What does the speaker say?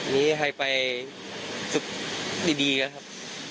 นี่ให้ไปสุดดีนะครับ